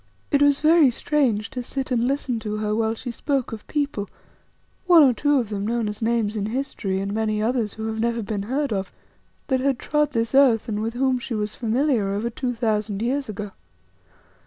It was very strange to sit and listen to her while she spoke of people, one or two of them known as names in history and many others who never have been heard of, that had trod this earth and with whom she was familiar over two thousand years ago.